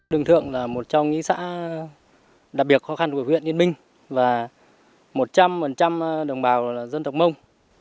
đường thượng là một trong những xã đặc biệt khó khăn của huyện yên minh và một trăm linh đồng bào dân tộc mông